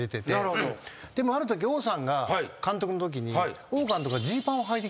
でもあるとき王さんが監督のときに。